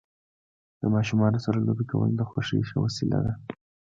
د ماشومانو سره لوبې کول د خوښۍ ښه وسیله ده.